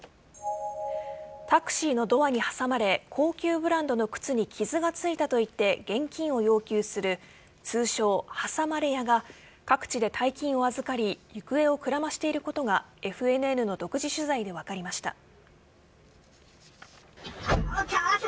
タクシーのドアに挟まれ高級ブランドの靴に傷がついたと言って現金を要求する通称、挟まれ屋が各地で大金を預かり行方をくらましていることがＦＮＮの独自取材で分かりました。